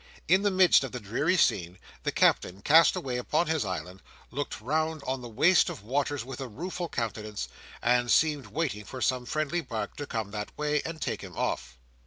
In the midst of the dreary scene, the Captain, cast away upon his island, looked round on the waste of waters with a rueful countenance, and seemed waiting for some friendly bark to come that way, and take him off.